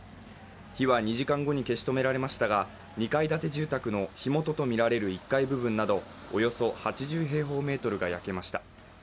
火は２時間後に消し止められましたが、２階建て住宅の、火元とみられる１階部分などおよそ８０平方メートルが焼けました。